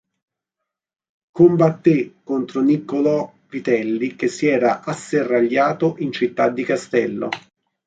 Combatté contro Niccolò Vitelli che si era asserragliato in Città di Castello.